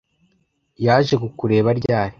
Yaje kukureba ryari